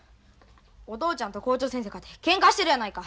お父ちゃんと校長先生かてけんかしてるやないか。